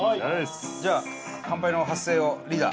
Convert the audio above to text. じゃあ乾杯の発声をリーダー。